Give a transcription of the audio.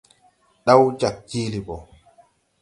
Ɗaw jag jílì mbɔ.